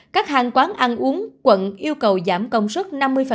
các hàng quán ăn uống quận yêu cầu giảm công suất năm mươi